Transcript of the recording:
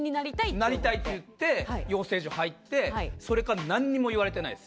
なりたいって言って養成所入ってそれから何も言われてないです。